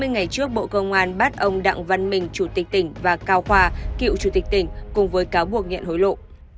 hai mươi ngày trước bộ công an bắt ông đặng văn mình chủ tịch tỉnh và cao khoa cựu chủ tịch tỉnh cùng với cáo buộc nhận hối lộ